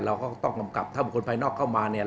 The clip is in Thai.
เราก็ต้องกำกับถ้าบุคคลภายนอกเข้ามาเนี่ย